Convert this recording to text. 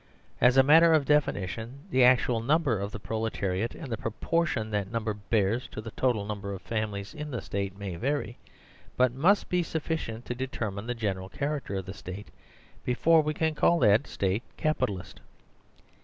As a matter of definition, the actual number oftheproletariatandtheproportion that number bears to the total number of families in the State may vary, but must be sufficient to determine the general char acter of the State before we can call that State Capi talist.